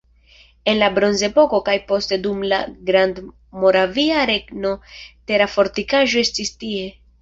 En la bronzepoko kaj poste dum la Grandmoravia Regno tera fortikaĵo estis tie.